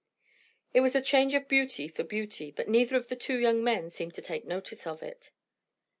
It was a change of beauty for beauty; but neither of the two young men seemed to take notice of it.